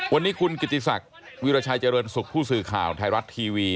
วันนี้คุณกิติศักดิ์วิราชัยเจริญสุขผู้สื่อข่าวไทยรัฐทีวี